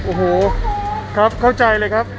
โอ้โหครับเข้าใจเลยครับ